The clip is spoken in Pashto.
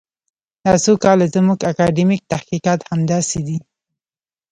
دا څو کاله زموږ اکاډمیک تحقیقات همداسې دي.